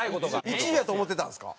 １位やと思ってたんですか？